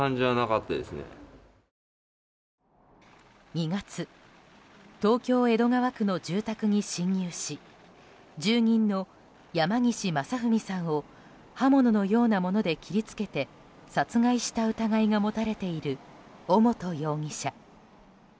２月、東京・江戸川区の住宅に侵入し住人の山岸正文さんを刃物のようなもので切り付けて殺害した疑いが持たれている尾本容疑者。